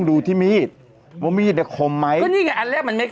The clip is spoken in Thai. ดูซิว่ามีดเข้ามาครับชุบ